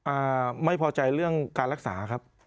อ่าไม่พอใจเรื่องการรักษาครับ